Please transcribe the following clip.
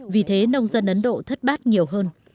vì thế nông dân ấn độ thất bát nhiều hơn